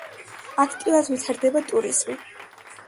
აქტიურად ვითარდება ტურიზმი.